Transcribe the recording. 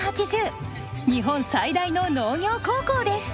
日本最大の農業高校です。